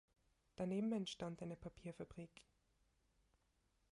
Daneben entstand eine Papierfabrik.